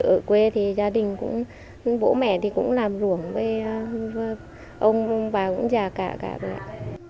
ở quê thì gia đình cũng bố mẹ thì cũng làm ruộng với ông bà cũng già cả cả